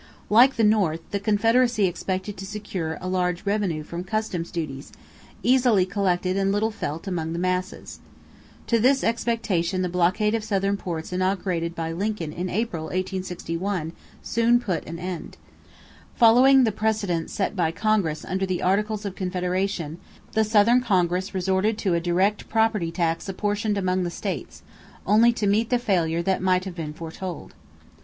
Like the North, the Confederacy expected to secure a large revenue from customs duties, easily collected and little felt among the masses. To this expectation the blockade of Southern ports inaugurated by Lincoln in April, 1861, soon put an end. Following the precedent set by Congress under the Articles of Confederation, the Southern Congress resorted to a direct property tax apportioned among the states, only to meet the failure that might have been foretold.